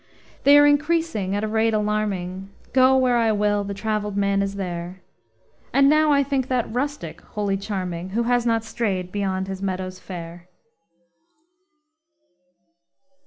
They are increasing at a rate alarming, Go where I will, the traveled man is there. And now I think that rustic wholly charming Who has not strayed beyond his meadows fair.